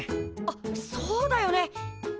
あっそうだよね！